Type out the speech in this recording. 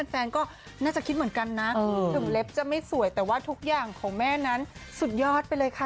แฟนก็น่าจะคิดเหมือนกันนะถึงเล็บจะไม่สวยแต่ว่าทุกอย่างของแม่นั้นสุดยอดไปเลยค่ะ